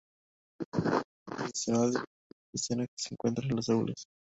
En la escuela tradicional es la típica escena que se encuentra en las aulas.